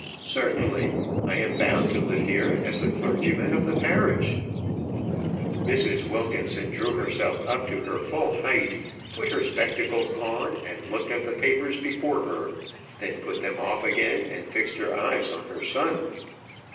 "Certainly. I am bound to live here, as the clergyman of the parish." Mrs. Wilkinson drew herself up to her full height, put her spectacles on, and looked at the papers before her; then put them off again, and fixed her eyes on her son.